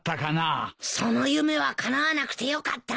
その夢はかなわなくてよかったね。